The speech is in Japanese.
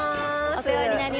お世話になります。